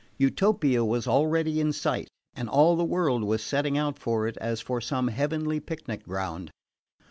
Utopia was already in sight; and all the world was setting out for it as for some heavenly picnic ground.